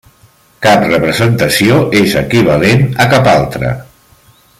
Cap representació és equivalent a cap altra.